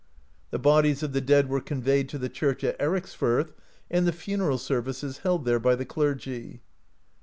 The bodies of the dead were conveyed to the church at Ericsfirth, and the funeral services held there by the clergy.